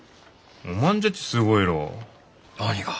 おまんじゃちすごいろう？何が？